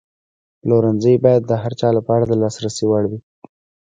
پلورنځی باید د هر چا لپاره د لاسرسي وړ وي.